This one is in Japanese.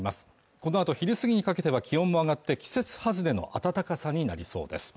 このあと昼過ぎにかけては気温も上がって季節外れの暖かさになりそうです